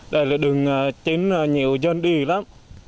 đây là đường chính nhiều dân đi lắm